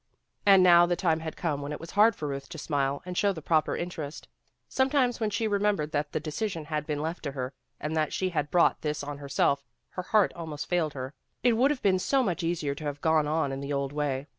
And now the time had come when it was hard for Euth to smile and show the proper interest. Sometimes when she remembered that the decision had been left to her, and that she had brought this on herself, her heart almost failed her. It would have been so much easier to have gone on in the old way.